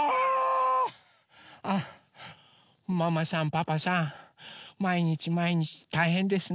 ママさんパパさんまいにちまいにちたいへんですね。